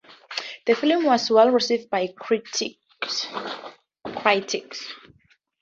The film was well received by critics.